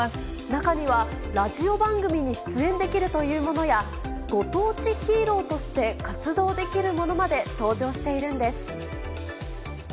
中にはラジオ番組に出演できるというものや、ご当地ヒーローとして活動できるものまで登場しているんです。